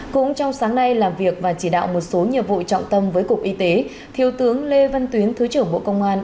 cũng trong sáng nay làm việc và chỉ đạo một số nhiệm vụ trọng tâm với cục y tế thiếu tướng lê văn tuyến thứ trưởng bộ công an